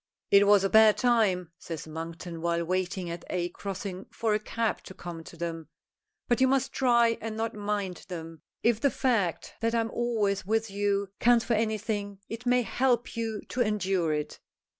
"It was a bad time," says Monkton while waiting at a crossing for a cab to come to them. "But you must try and not mind them. If the fact that I am always with you counts for anything, it may help you to endure it."